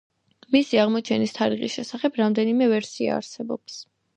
მისი აღმოჩენის თარიღის შესახებ რამდენიმე ვერსია არსებობს.